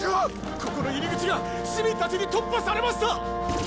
ここの入り口が市民たちに突破されました！